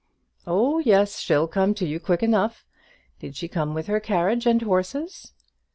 "Oh yes: she'll come to you quick enough. Did she come with her carriage and horses?"